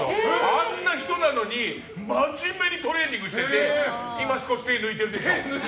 あんな人なのに真面目にトレーニングしてて今、少し手抜いてるでしょ。